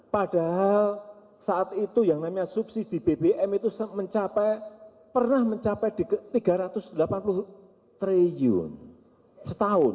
padahal saat itu yang namanya subsidi bbm itu pernah mencapai rp tiga ratus delapan puluh triliun setahun